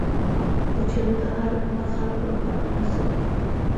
کچالو د هر عمر خلکو لپاره مناسب دي